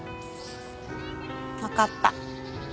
わかった。